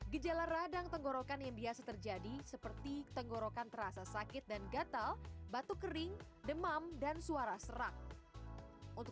gejala radang tenggorokan yang biasa terjadi seperti tenggorokan terasa sakit dan gatal batuk kering demam dan suara serak